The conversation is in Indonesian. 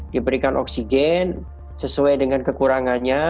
diberikan oksigen sesuai dengan kekurangannya